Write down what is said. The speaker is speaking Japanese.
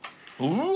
うん！